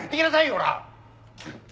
ほら。